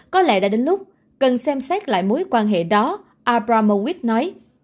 có lẽ đã đến lúc cần xem xét lại mối quan hệ đó abramowit nói